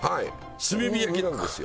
炭火焼きなんですよ。